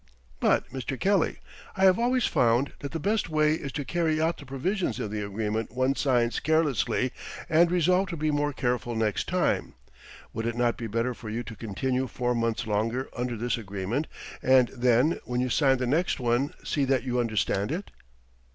But, Mr. Kelly, I have always found that the best way is to carry out the provisions of the agreement one signs carelessly and resolve to be more careful next time. Would it not be better for you to continue four months longer under this agreement, and then, when you sign the next one, see that you understand it?"